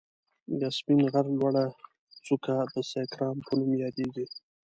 د سپين غر لوړه څکه د سيکارام په نوم ياديږي.